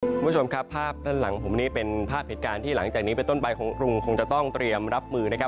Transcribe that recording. คุณผู้ชมครับภาพด้านหลังผมนี้เป็นภาพเหตุการณ์ที่หลังจากนี้ไปต้นใบของกรุงคงจะต้องเตรียมรับมือนะครับ